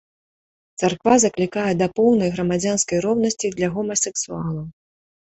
Царква заклікае да поўнай грамадзянскай роўнасці для гомасексуалаў.